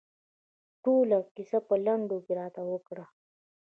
ټوله کیسه په لنډو کې راته وکړه.